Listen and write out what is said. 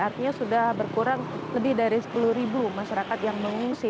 artinya sudah berkurang lebih dari sepuluh masyarakat yang mengungsi